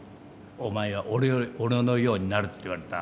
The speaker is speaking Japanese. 「お前は俺のようになる」って言われた。